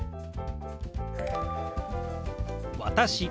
「私」。